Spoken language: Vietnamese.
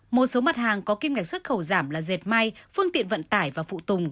một số mặt hàng có kim ngạch xuất khẩu giảm là dệt may phương tiện vận tải và phụ tùng